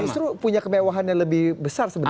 oh justru punya kebewahan yang lebih besar sebenarnya